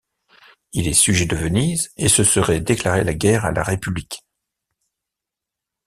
Il est sujet de Venise, et ce serait déclarer la guerre à la république.